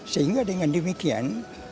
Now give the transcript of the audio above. sehingga dengan demikian